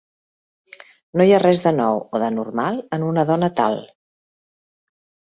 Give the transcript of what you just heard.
No hi ha res de nou o d'anormal en una dona tal.